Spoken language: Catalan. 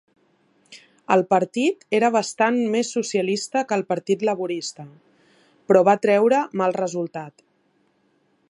El partit era bastant més socialista que el partit laborista, però va treure mal resultat.